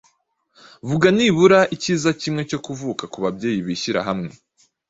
Vuga nibura ikiza kimwe cyo kuvuka ku babyeyi bashyira hamwe.